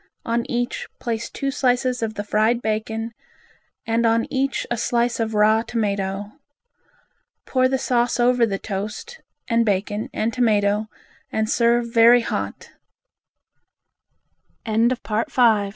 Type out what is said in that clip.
On each, place two slices of the fried bacon and on each a slice of raw tomato. Pour the sauce over the toast and bacon and tomato, and s